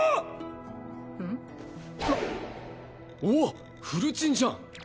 おっフルチンじゃん。